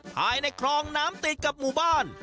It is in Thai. ภายในคลองน้ำติดกับหมู่บ้าน